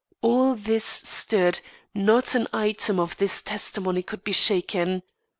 All this stood; not an item of this testimony could be shaken.